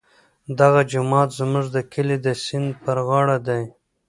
دغه جومات زموږ د کلي د سیند پر غاړه دی.